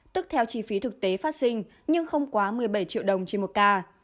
tức theo chi phí thực tế phát sinh nhưng không quá một mươi bảy triệu đồng trên một ca